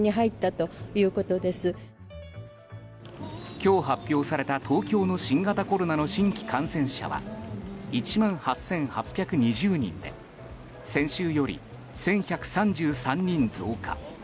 今日、発表された東京の新型コロナの新規感染者は１万８８２０人で先週より１１３３人増加。